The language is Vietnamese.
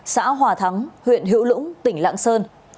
xã hòa thắng huyện hữu lũng tỉnh lạng sơn